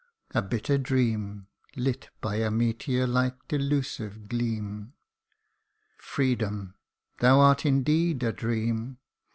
a bitter dream Lit by a meteor like delusive gleam. Freedom ! thou art indeed a dream